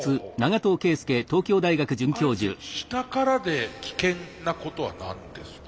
あえて下からで危険なことは何ですか？